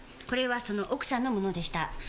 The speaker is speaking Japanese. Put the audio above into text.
これはその奥さんのものでした。